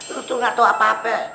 lo tuh gak tau apa apa